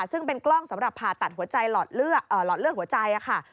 ซึ่งเป็นกล้องสำหรับผ่าตัดหัวใจหลอดเลือดหัวใจค่ะ